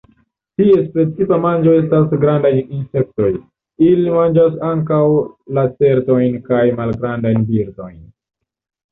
Ties precipa manĝo estas grandaj insektoj; ili manĝas ankaŭ lacertojn kaj malgrandajn birdojn.